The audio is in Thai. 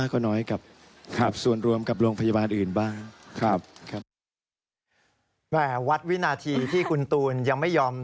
ก็น้อยกับส่วนรวมกับโรงพยาบาลอื่นบ้าง